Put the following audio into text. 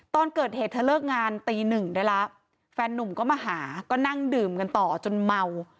ตอนเกิดเหตุเธอเลิกงานตีหนึ่งได้แล้วแฟนนุ่มก็มาหาก็นั่งดื่มกันต่อจนเมา